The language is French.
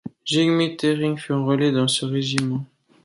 Jigmé Taring fut enrôlé dans ce régiment.